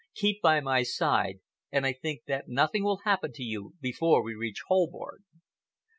"Keep by my side, and I think that nothing will happen to you before we reach Holborn."